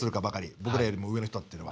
僕らよりも上の人っていうのは。